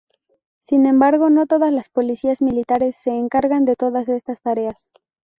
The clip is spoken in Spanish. Sin embargo, no todas las policías militares se encargan de todas estas tareas.